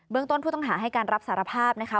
ต้นผู้ต้องหาให้การรับสารภาพนะคะ